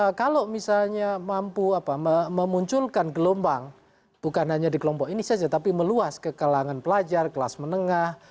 nah kalau misalnya mampu memunculkan gelombang bukan hanya di kelompok ini saja tapi meluas ke kalangan pelajar kelas menengah